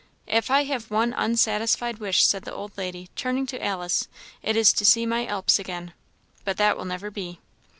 If I have one unsatisfied wish," said the old lady, turning to Alice, "it is to see my Alps again; but that will never be.